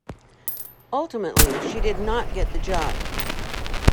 Ultimately, she did not get the job.